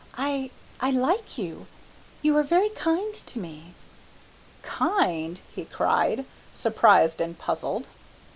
I I like you; you are very kind to me." "Kind?" he cried, surprised and puzzled.